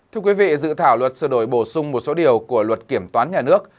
thưa quý vị dự thảo luật sửa đổi bổ sung một số điều của luật kiểm toán nhà nước